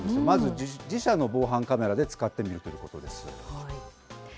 まず自社の防犯カメラで使ってみているということです。